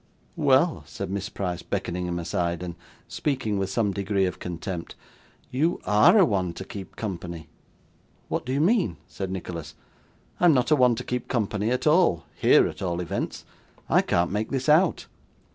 'Well,' said Miss Price, beckoning him aside, and speaking with some degree of contempt 'you ARE a one to keep company.' 'What do you mean?' said Nicholas; 'I am not a one to keep company at all here at all events. I can't make this out.